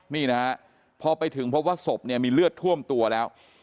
นี่นะฮะพอไปถึงพบว่าศพเนี่ยมีเลือดท่วมตัวแล้ว